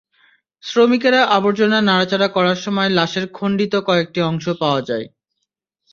শ্রমিকেরা আবর্জনা নাড়াচাড়া করার সময় লশের খণ্ডিত কয়েকটি অংশ পাওয়া যায়।